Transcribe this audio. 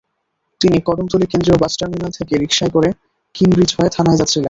তিনি কদমতলী কেন্দ্রীয় bus terminal থেকে রিকশায় করে কিনব্রিজ হয়ে থানায় যাচ্ছিলেন।